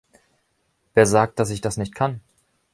Wer sagt, dass ich das nicht kann?